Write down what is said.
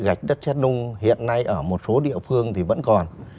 gạch đất xét nung hiện nay ở một số địa phương thì vẫn còn